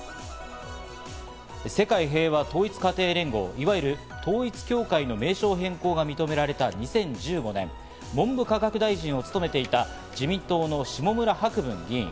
世界平和統一家庭連合、いわゆる統一教会の名称変更が認められた２０１５年、文部科学大臣を務めていた自民党の下村博文議員。